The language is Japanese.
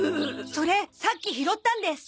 それさっき拾ったんです。